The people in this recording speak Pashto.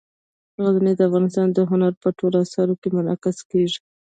غزني د افغانستان د هنر په ټولو اثارو کې منعکس کېږي.